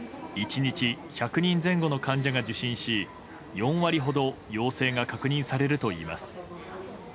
１日１００人前後の患者が受診し４割ほど陽性が確認されるといいます。